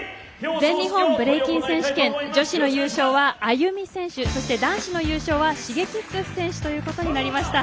全日本ブレイキン選手権女子の優勝はＡＹＵＭＩ選手そして男子の優勝はＳｈｉｇｅｋｉｘ選手となりました。